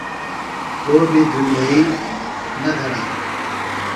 کو بیۡ دُنیئیۡ نہ دھرانہ۔